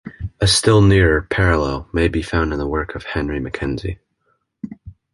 A still nearer parallel may be found in the work of Henry Mackenzie.